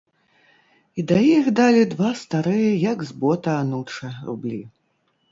І да іх далі два старыя, як з бота ануча, рублі.